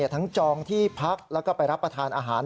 จองที่พักแล้วก็ไปรับประทานอาหาร